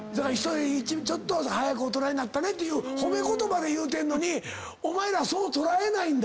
ちょっと早く大人になったねって褒め言葉で言うてんのにお前らそう捉えないんだ。